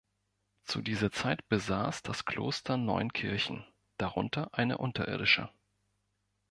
Zu dieser Zeit besaß das Kloster neun Kirchen, darunter eine unterirdische.